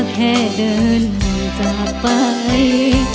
แค่เดินจากไป